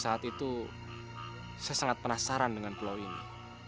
sejak saat itu saya sangat penasaran dengan peloyang ini